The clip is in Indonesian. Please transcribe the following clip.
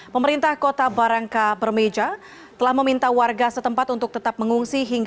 pemerintah indonesia mencari pencarian korban yang tertimbun